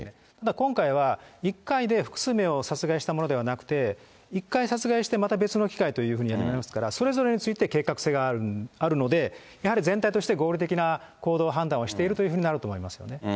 今回は１回で複数名を殺害したものではなくて、１回殺害して、また別の機会というふうになりますから、それぞれについて、計画性があるので、やはり全体として合理的な行動判断をしているというふうになると思いますよね。